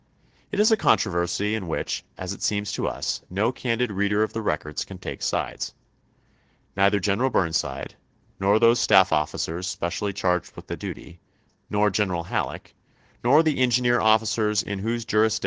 It is a controversy in which, as it seems to us, no candid reader of the records can take sides. Neither General Burnside, nor those staff officers specially charged with the duty, nor General Halleck, nor the engineer officers in whose jurisdiction the Chap.